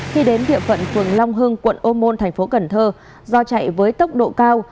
khi đến địa phận phường long hưng quận ô môn thành phố cần thơ do chạy với tốc độ cao